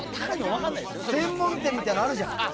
専門店みたいのあるじゃん。